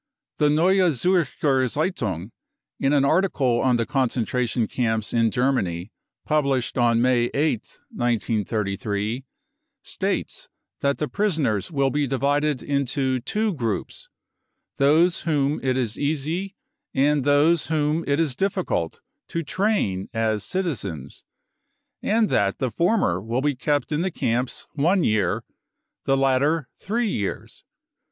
5 ' The Neue puncher Zcitung , in an article on the concentration camps in Ger many published on May 8th, 1933, states that the prisoners will be divided into two groups — those whom it is easy and those whom it is difficult to train as citizens — and that the former will be kept in the camps one year, the latter three years.